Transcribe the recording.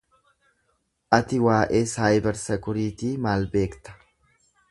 Ati waa'ee 'Cyber Security' maal beekta?